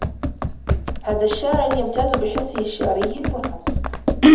هذا الشاعر يمتاز بحسّه الشعري المرهف.